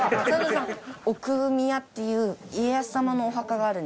奥宮っていう家康様のお墓があるんです。